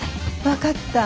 分かった。